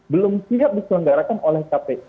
belum siap diselenggarakan oleh kpu